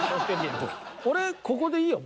俺ここでいいよ